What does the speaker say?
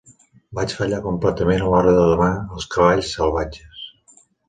Vaig fallar completament a l'hora de domar els cavalls salvatges.